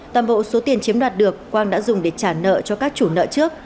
toàn bộ số tiền chiếm đoạt được quang đã dùng để trả nợ cho các chủ nợ trước